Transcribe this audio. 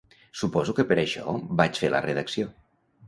Suposo que per això vaig fer la redacció.